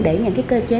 để những cái cơ chế